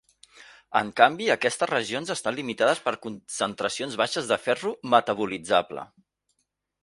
En canvi, aquestes regions estan limitades per concentracions baixes de ferro metabolitzable.